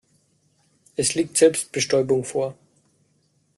Es liegt Selbstbestäubung vor.